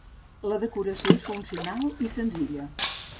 La decoració és funcional i senzilla.